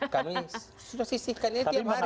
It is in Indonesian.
kami sudah sisihkannya tiap hari